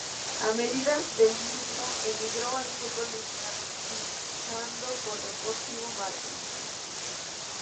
A mediados del mismo emigró al fútbol mexicano, fichando por Deportivo Marte.